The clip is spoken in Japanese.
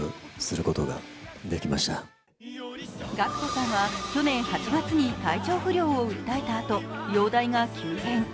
ＧＡＣＫＴさんは去年８月に体調不良を訴えたあと、容体が急変。